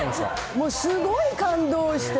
もうすごい感動して。